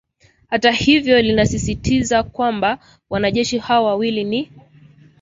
hata hivyo linasisitiza kwamba wanajeshi hao wawili ni